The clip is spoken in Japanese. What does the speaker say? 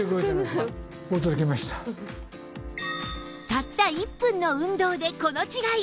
たった１分の運動でこの違い